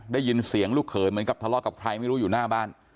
ได้ยินเสียงลูกเขยเหมือนกับทะเลาะกับใครไม่รู้อยู่หน้าบ้าน